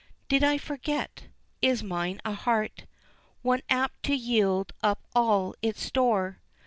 Did I forget? is mine a heart, One apt to yield up all its store?